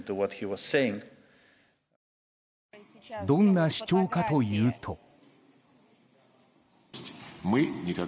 どんな主張かというと。